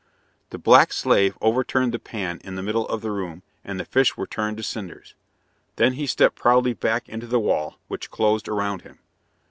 The black slave overturned the pan in the middle of the room, and the fish were turned to cinders. Then he stepped proudly back into the wall, which closed round him.